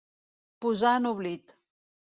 Posar en oblit.